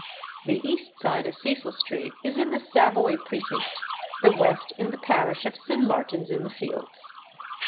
The east side of Cecil Street is in the Savoy precinct, the west in the parish of St. Martin's in the Fields.